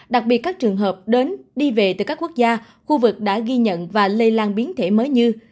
đặc biệt các trường hợp đến đi về từ các quốc gia khu vực đã ghi nhận và lây lan biến thể mới như